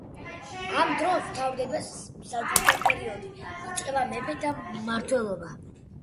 ამ დროს მთავრდება მსაჯულთა პერიოდი და იწყება მეფეთა მმართველობა.